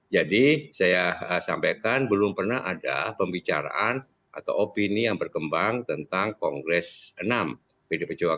jadi saya sampaikan belum pernah ada pembicaraan atau opini yang berkembang tentang kongres enam pdip perjuangan dua ribu dua puluh lima